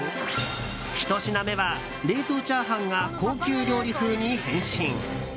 １品目は冷凍チャーハンが高級料理風に変身。